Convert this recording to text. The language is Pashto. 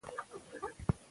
سهار وختي کوڅې ارامې وي